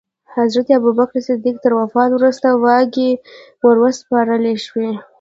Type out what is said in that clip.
حضرت ابوبکر صدیق تر وفات وروسته واګې وروسپارل شوې.